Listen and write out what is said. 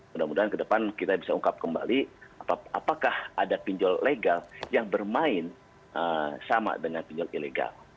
mudah mudahan ke depan kita bisa ungkap kembali apakah ada pinjol legal yang bermain sama dengan pinjol ilegal